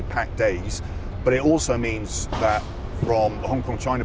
tapi juga berarti dari pandangan dari hongkong china